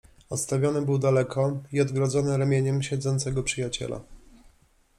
odstawiony był daleko i odgrodzony ramieniem siedzącego przyjaciela.